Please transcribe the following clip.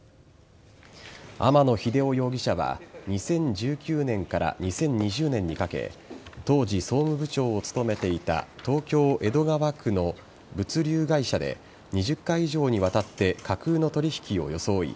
天野英夫容疑者は２０１９年から２０２０年にかけ当時、総務部長を務めていた東京・江戸川区の物流会社で２０回以上にわたって架空の取引を装い